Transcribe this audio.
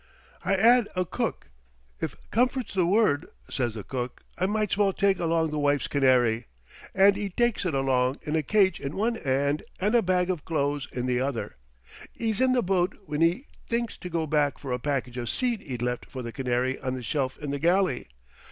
"I 'ad a cook. 'If comfort's the word,' says the cook, 'I might's well take along the wife's canary,' and 'e takes it along in a cage in one 'and, and a bag of clothes in the other. 'E's in the boat when 'e thinks to go back for a package of seed 'e'd left for the canary on the shelf in the galley.